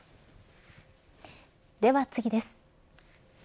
では次です。